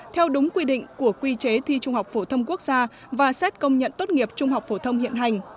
theo đúng quy định của quy chế thi trung học phổ thông quốc gia và xét công nhận tốt nghiệp trung học phổ thông hiện hành